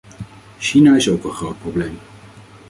China is ook een groot probleem.